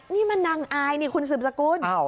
นี่มันนางอายนี่คุณสืบสกุล